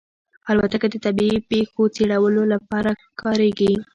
الوتکه د طبیعي پېښو څېړلو لپاره کارېږي.